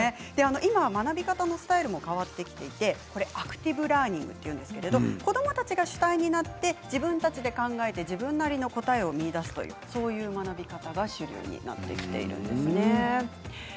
今、学び方のスタイルも変わってきていてアクティブラーニングというんですけど子どもたちが主体となって自分たちで考えて自分なりの答えを見いだすという学び方が主流になってきているんです。